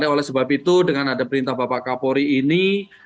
oleh sebab itu dengan ada perintah bapak kapolri ini